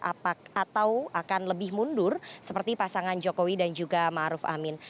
atau akan lebih mundur seperti pasangan jokowi dan juga ⁇ maruf ⁇ amin